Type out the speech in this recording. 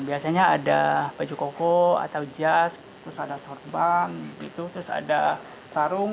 biasanya ada baju koko atau jas terus ada sortbank terus ada sarung